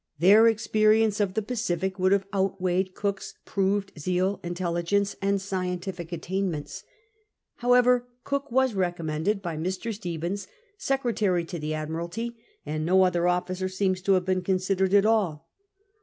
Their experience of the Pacific would have outweighed Cook's proved zeal, intelligence, and scientific attainments. However, Cook was recom mended by Mr. Stephens, Secretary to the Admiralty, and no other officer seems to have been considered at all.